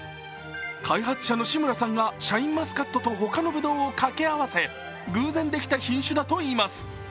開発者の志村さんがシャインマスカットと他のブドウを掛け合わせ、偶然できた品種だといいます。